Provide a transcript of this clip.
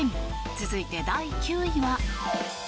続いて、第９位は。